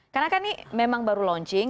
karena kan ini memang baru launching